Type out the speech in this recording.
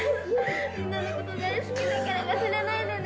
みんなのこと大好きだから忘れないでね。